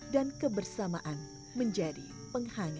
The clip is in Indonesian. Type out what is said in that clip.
dan kebersamaan menjadi penghanga